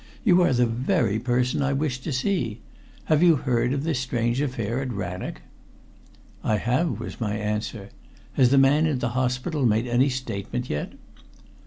"You are the very person I wish to see. Have you heard of this strange affair at Rannoch?" "I have," was my answer. "Has the man in the hospital made any statement yet?"